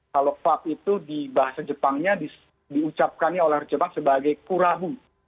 kalau club itu di bahasa jepangnya diucapkannya oleh orang jepang sebagai kurabu